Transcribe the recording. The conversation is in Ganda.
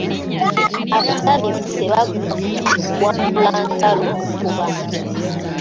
Abatamiivu tebaggwa kuwakula ntalo ku bantu.